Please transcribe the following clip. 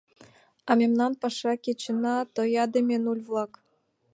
А мемнан паша кечына — тоядыме нуль-влак.